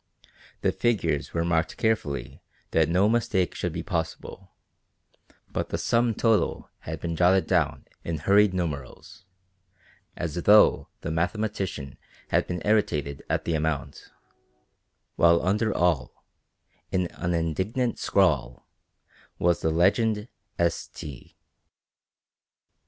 The figures were marked carefully that no mistake should be possible, but the sum total had been jotted down in hurried numerals, as though the mathematician had been irritated at the amount, while under all, in an indignant scrawl, was the legend "S. T."